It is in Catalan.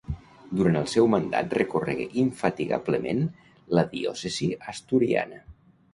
Durant el seu mandat recorregué infatigablement la diòcesi asturiana.